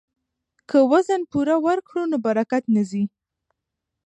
که وزن پوره ورکړو نو برکت نه ځي.